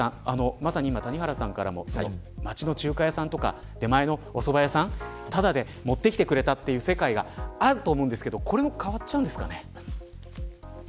まさに今、谷原さんからも街の中華屋さんとか出前のおそば屋さんただで持ってきてくれたという世界があると思うんですけどこれも変わっちゃうんですかね。